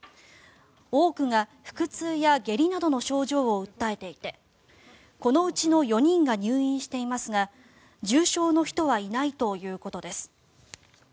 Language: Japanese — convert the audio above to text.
多くが腹痛や下痢などの症状を訴えていてこのうちの４人が入院していますが重症の人はいないということです。